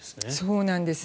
そうなんです。